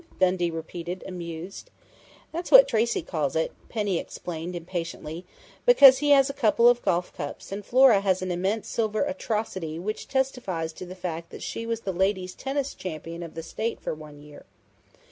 Dundee repeated, amused. "That's what Tracey calls it," Penny explained impatiently, "because he has a couple of golf cups and Flora has an immense silver atrocity which testifies to the fact that she was the 'lady's tennis champion' of the state for one year.